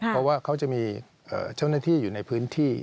เพราะว่าเขาจะมีเจ้าหน้าที่อยู่ในพื้นที่